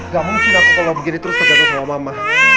gak mungkin aku kalau begini terus tergantung sama mama